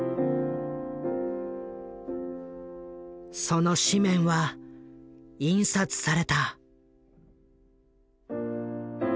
その紙面は印刷された。